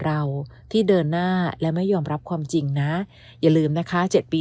เราที่เดินหน้าและไม่ยอมรับความจริงนะอย่าลืมนะคะ๗ปี